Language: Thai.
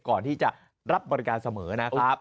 ก่อนที่จะรับบริการเสมอนะครับ